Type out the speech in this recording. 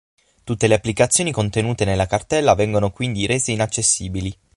Tutte le applicazioni contenute nella cartella vengono quindi rese inaccessibili.